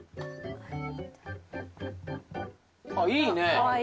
あっいいね。